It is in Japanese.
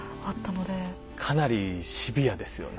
かなりシビアですよね。